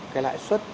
cái lãi suất